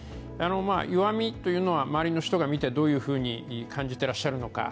弱みというのは周りの人が見てどういうふうに感じてらっしゃるのか